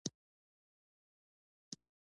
زده کوونکي د لوحو له لارې د محاسبې زده کړه وکړه.